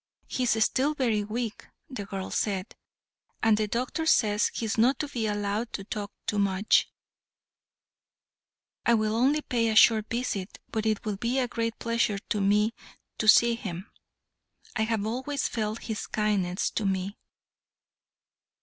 "He is still very weak," the girl said, "and the doctor says he is not to be allowed to talk much." "I will only pay a short visit, but it will be a great pleasure to me to see him; I have always felt his kindness to me."